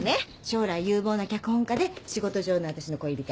将来有望な脚本家で仕事上の私の恋人。